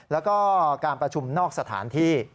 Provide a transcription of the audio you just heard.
แล้วก็การประชุมนอกสถานที่